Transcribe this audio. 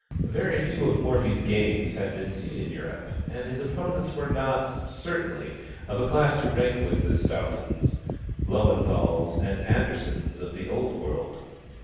Very few of Morphy's games had been seen in Europe, and his opponents were not, certainly, of a class to rank with the Stauntons, Löwenthals, and Anderssens of the Old World.